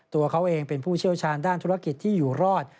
ตัวเขาเองเป็นผู้เชี่ยวชาญด้านธุรกิจที่อยู่รอด